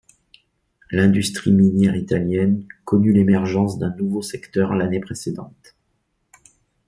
L'industrie minière italienne connut l'émergence d'un nouveau secteur l'année précédente.